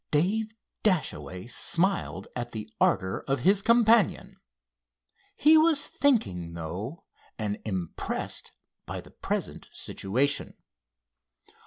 Dave Dashaway smiled at the ardor of his companion. He was thinking, though, and impressed by the present situation.